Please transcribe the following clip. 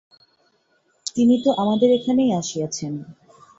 তিনি তো আমাদের এখানেই আসিয়াছেন।